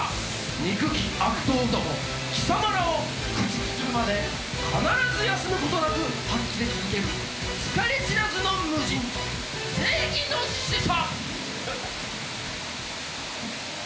・・憎き悪党ども貴様らを駆逐するまで必ず休むことなく働き続ける疲れ知らずの無尽蔵正義の使者！